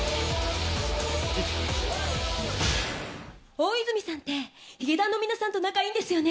大泉さんってヒゲダンの皆さんと仲いいんですよね？